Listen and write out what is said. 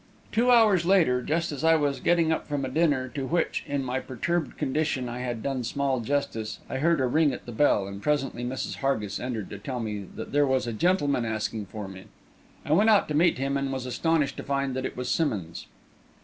Two hours later, just as I was getting up from a dinner to which, in my perturbed condition, I had done small justice, I heard a ring at the bell, and presently Mrs. Hargis entered to tell me that there was a gentleman asking for me. I went out to meet him, and was astonished to find that it was Simmonds.